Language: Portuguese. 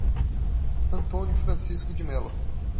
Antônio Francisco de Melo